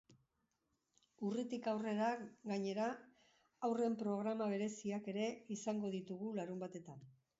Urritik aurrera, gainera, haurren programa bereziak ere izango ditugu larunbatetan.